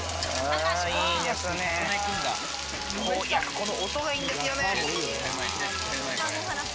この音がいいんですよね。